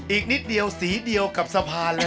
อีกนิดเดียวสีเดียวกับสะพานเลย